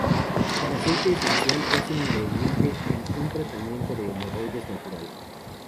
El aceite esencial es un ingrediente en un tratamiento de hemorroides "natural".